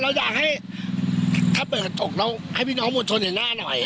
เราอยากให้ถ้าเปิดอกแล้วให้พี่น้องมวลชนเห็นหน้าหน่อย